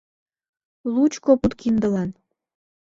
Лучко пуд киндылан...